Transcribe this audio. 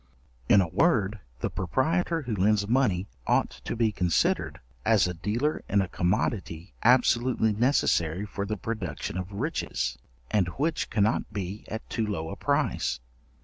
In a word, the proprietor who lends money ought to be considered, as a dealer in a commodity absolutely necessary for the production of riches, and which cannot be at too low a price.